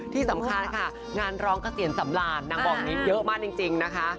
ที่สำคัญค่ะงานร้องเกษียณสำราญนางบอกอย่างนี้เยอะมากจริงนะคะ